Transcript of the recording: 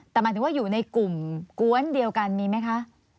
แต่หมายถึงว่าอยู่ในกลุ่มกวนเดียวกันมีไหมคะ